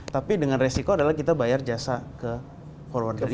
tapi dengan resiko adalah kita bayar jasa ke forwarder